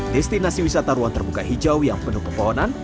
destinasi wisata ruang terbuka hijau yang penuh pepohonan